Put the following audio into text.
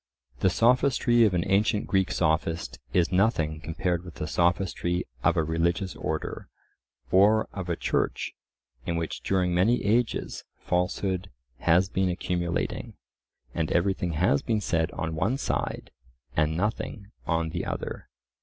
The sophistry of an ancient Greek sophist is nothing compared with the sophistry of a religious order, or of a church in which during many ages falsehood has been accumulating, and everything has been said on one side, and nothing on the other.